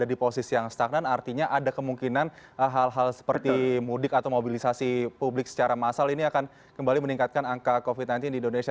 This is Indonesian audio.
di posisi yang stagnan artinya ada kemungkinan hal hal seperti mudik atau mobilisasi publik secara massal ini akan kembali meningkatkan angka covid sembilan belas di indonesia